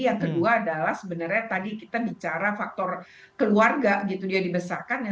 yang kedua adalah sebenarnya tadi kita bicara faktor keluarga gitu dia dibesarkan